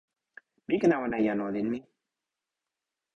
mi ken awen e jan olin mi.